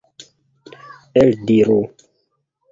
Eldiru!